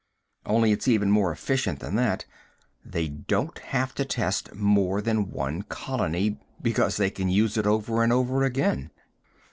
Only it's even more efficient than that. They don't have to test more than one colony, because they can use it over and over again."